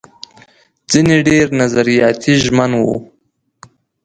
ځينې ډېر نظریاتي ژمن وو.